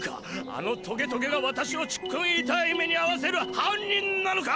あのトゲトゲが私をちっくんいたーい目にあわせる犯人なのか！